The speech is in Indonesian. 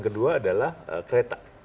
kedua adalah kereta